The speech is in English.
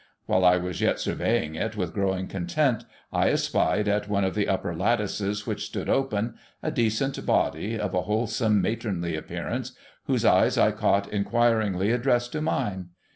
While I was yet surveying it with growing content, I espied, at one of the upper lattices which stood open, a decent body, of a whole some matronly appearance, whose eyes I caught inquiringly addressed to mine.